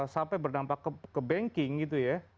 sampai berdampak ke banking gitu ya